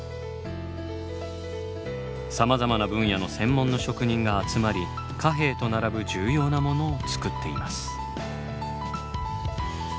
さまざまな分野の専門の職人が集まり貨幣と並ぶ重要なものを造っています。